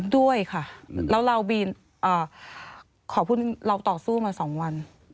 ด้วยค่ะแล้วเราขอพูดเราต่อสู้มา๒วัน